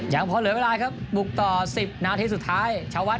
อย่างพอเหลือเวลาครับบุกต่อ๑๐นาทีสุดท้าย